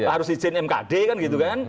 harus izin mkd kan gitu kan